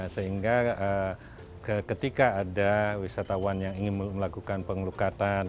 sehingga ketika ada wisatawan yang ingin melakukan pengelukatan